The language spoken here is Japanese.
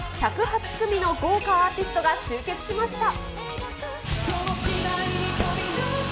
１０８組の豪華アーティストが集結しました。